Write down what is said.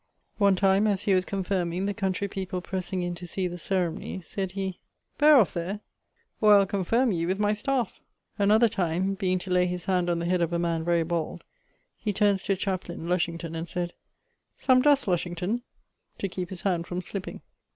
One time, as he was confirming, the country people pressing in to see the ceremonie, sayd he, 'Beare off there, or I'le confirme yee with my staffe.' Another time being to lay his hand on the head of a man very bald, he turns to his chaplaine (Lushington) and sayd, 'Some dust, Lushington,' (to keepe his hand from slipping).